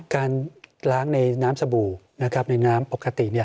การล้างในน้ำสบู่ในน้ำปกติ